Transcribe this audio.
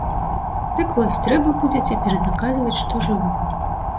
Дык вось, трэба будзе цяпер даказваць, што жыву.